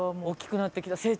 大きくなってきた。